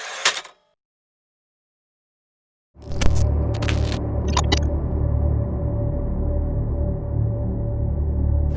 รูปเล่มโปรดติดตาม